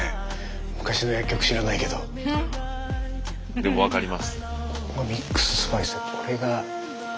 でも分かります。